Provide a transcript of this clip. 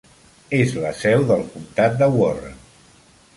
És la seu del comtat de Warren.